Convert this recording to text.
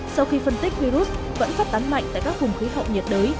sau khi phân tích virus vẫn phát tán mạnh tại các vùng khí hậu nhiệt đới